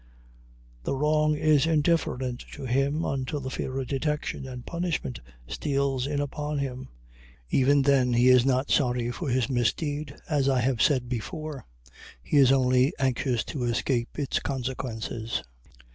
The wrong is indifferent to him until the fear of detection and punishment steals in upon him. Even then he is not sorry for his misdeed, as I have said before; he is only anxious to escape its consequences.